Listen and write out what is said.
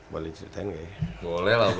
boleh ceritain gak ya